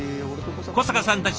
小坂さんたち